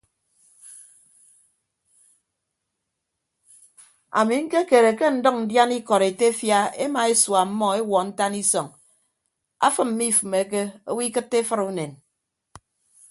Ami ñkekere ke ndʌñ ndiana ikọd etefia ema esua ọmmọ ewuọ ntan isọñ afịm mmifịmeke owo ikịtte efʌd unen.